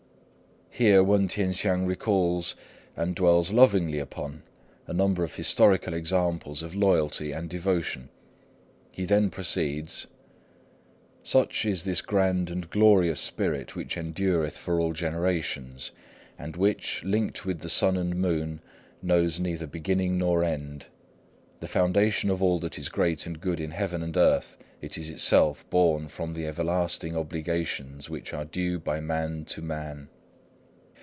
Here Wên T'ien hsiang recalls, and dwells lovingly upon, a number of historical examples of loyalty and devotion. He then proceeds:— "Such is this grand and glorious spirit which endureth for all generations; and which, linked with the sun and moon, knows neither beginning nor end. The foundation of all that is great and good in heaven and earth, it is itself born from the everlasting obligations which are due by man to man.